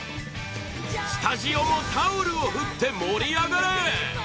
スタジオもタオルを振って盛り上がれ！